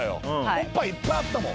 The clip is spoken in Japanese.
おっぱいいっぱいあったもん。